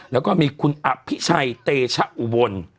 แล้วก็มีคุณอภิชัยเตชะอุบล